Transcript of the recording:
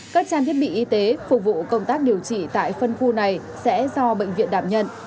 các trang thiết bị y tế phục vụ công tác điều trị tại phân khu này sẽ do bệnh viện đảm nhận